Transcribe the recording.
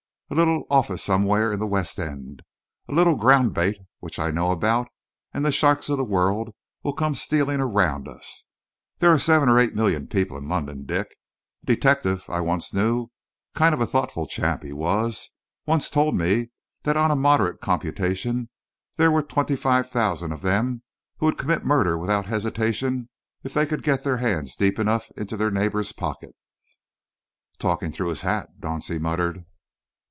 A little office somewhere in the West End, a little ground bait which I know about, and the sharks of the world will come stealing around us. There are seven or eight million people in London, Dick. A detective I once knew kind of thoughtful chap he was once told me that on a moderate computation there were twenty five thousand of them who would commit murder without hesitation if they could get their hand deep enough into their neighbour's pocket." "Talking through his hat," Dauncey muttered.